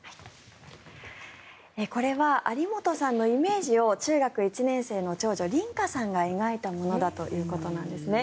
これは有本さんのイメージを中学１年生の長女・凛恋華さんが描いたものだということなんですね。